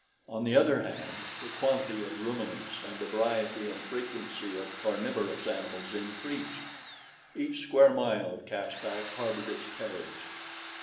On the other hand the quantity of ruminants and the variety and frequency of carnivorous animals increased. Each square mile of Caspak harbored its terrors.